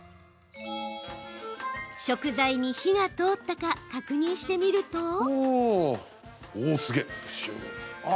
食材に火が通ったか確認してみると。